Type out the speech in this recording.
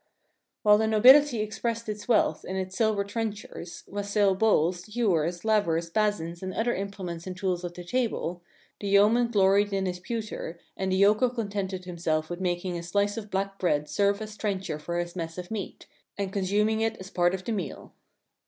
While the nobility expressed its wealth in its sil ver trenchers, wassail bowls, ewers, layers, basins and other implements and tools of the table, the Yeoman gloried in his pewter and the Yokel con tented himself with making his slice of black bread serve as trencher for his mess of meat, and consum ing it as part of the meal.